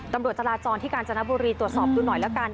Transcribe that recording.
ตำรวจจราจรที่กาญจนบุรีตรวจสอบดูหน่อยแล้วกัน